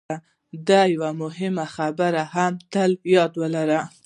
دا یوه مهمه خبره هم تل په یاد ولرئ